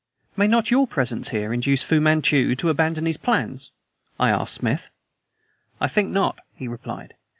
"May not your presence here induce Fu Manchu to abandon his plans?" I asked Smith. "I think not," he replied.